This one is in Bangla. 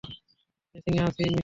ল্যাংসিং এ আছি, মিশিগানে।